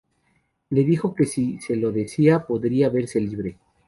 Le dijo que si se lo decía podría verse libre.